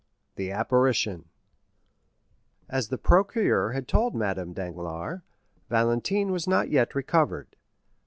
The Apparition As the procureur had told Madame Danglars, Valentine was not yet recovered.